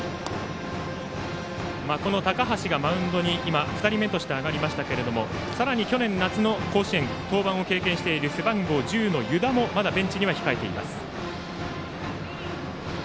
この高橋が今、２人目としてマウンドに上がりましたがさらに去年夏の甲子園で登板を経験している背番号１０の湯田もまだベンチには控えています。